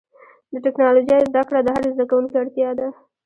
د ټکنالوجۍ زدهکړه د هر زدهکوونکي اړتیا ده.